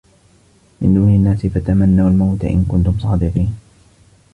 مِنْ دُونِ النَّاسِ فَتَمَنَّوُا الْمَوْتَ إِنْ كُنْتُمْ صَادِقِينَ